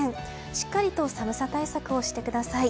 しっかりと寒さ対策をしてください。